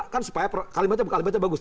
kan supaya kalimatnya bagus